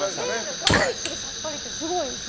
ガーリックでさっぱりってすごいですね。